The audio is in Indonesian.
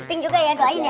iping juga ya doain ya